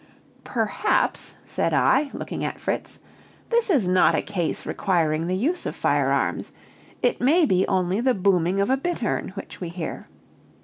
"Perhaps," said I, looking at Fritz, "this is not a case requiring the use of firearms. It may be only the booming of a bittern which we hear."